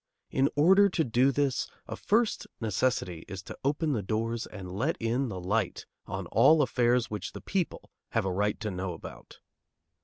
In order to do this, a first necessity is to open the doors and let in the light on all affairs which the people have a right to know about.